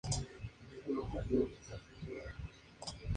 El jardín está abierto todos los días con tarifa de entrada.